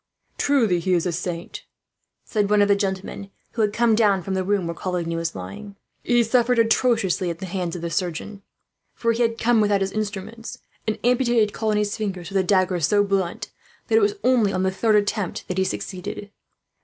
"Truly he is a saint," said one of the gentlemen, who had come down from the room where Coligny was lying. "He suffered atrociously in the hands of the surgeon, for he had come without his instruments, and amputated Coligny's fingers with a dagger so blunt that it was only on the third attempt that he succeeded.